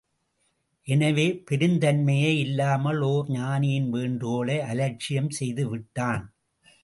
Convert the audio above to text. எனவே பெருந்தன்மையே இல்லாமல் ஓர் ஞானியின் வேண்டுகோளை அலட்சியம் செய்துவிட்டான்!